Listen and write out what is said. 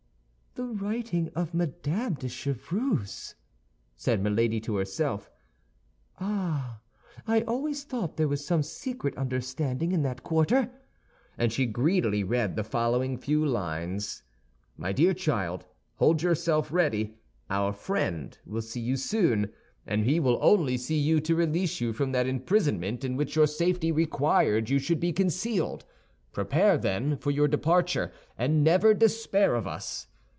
"The writing of Madame de Chevreuse!" said Milady to herself. "Ah, I always thought there was some secret understanding in that quarter!" And she greedily read the following few lines: MY DEAR CHILD, Hold yourself ready. Our friend will see you soon, and he will only see you to release you from that imprisonment in which your safety required you should be concealed. Prepare, then, for your departure, and never despair of us.